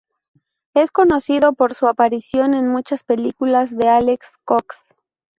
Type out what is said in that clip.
Es conocido por su aparición en muchas películas de Alex Cox.